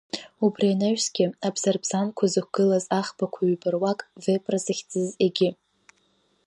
Убри анаҩсгьы, абзырбзанқәа зықәгылаз аӷбақәа ҩба руак Вепр захьӡыз, егьи…